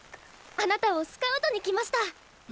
あなたをスカウトに来ました！